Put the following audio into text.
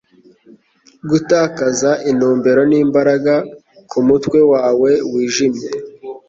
gutakaza intumbero n'imbaraga kumutwe wawe wijimye